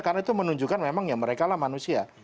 karena itu menunjukkan memang ya mereka lah manusia